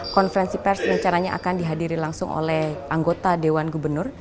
konferensi pers yang caranya akan dihadiri langsung oleh anggota dewan gubernur